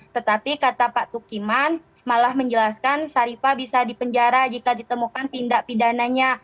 tetapi kata pak tukiman malah menjelaskan syarifah bisa dipenjara jika ditemukan tindak pidananya